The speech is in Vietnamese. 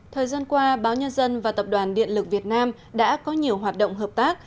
thời gian qua báo nhân dân và tập đoàn điện lực việt nam đã có nhiều hoạt động hợp tác